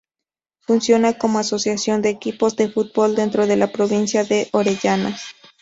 Funciona como asociación de equipos de fútbol dentro de la Provincia de Orellana.